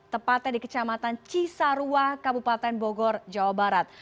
tepatnya di kecamatan cisarua kabupaten bogor jawa barat